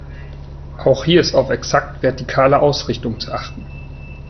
Auch hier ist auf exakt vertikale Ausrichtung zu achten.